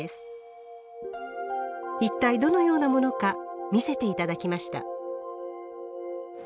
一体どのようなものか見せて頂きました。